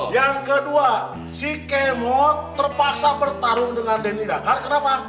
yang kedua si kemo terpaksa bertarung dengan denny dakar kenapa